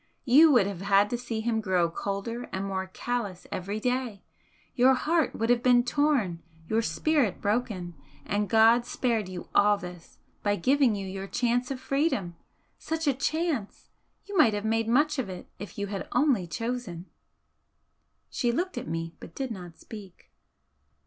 You would have had to see him grow colder and more callous every day your heart would have been torn, your spirit broken and God spared you all this by giving you your chance of freedom! Such a chance! You might have made much of it, if you had only chosen!" She looked at me, but did not speak.